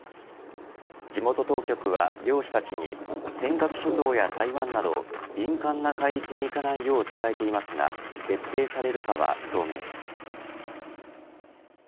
地元当局は漁師たちに尖閣諸島や台湾など敏感な海域に行かないよう伝えていますが徹底されるかは不透明です。